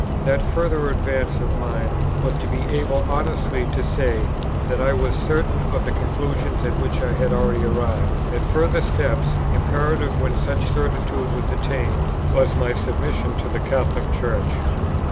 That further advance of mind was to be able honestly to say that I was certain of the conclusions at which I had already arrived. That further step, imperative when such certitude was attained, was my submission to the Catholic Church.